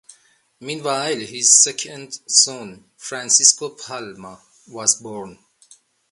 Meanwhile, his second son, Francisco Palma, was born.